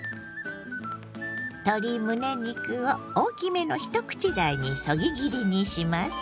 鶏むね肉を大きめの一口大にそぎ切りにします。